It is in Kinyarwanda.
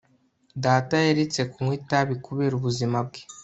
data yaretse kunywa itabi kubera ubuzima bwe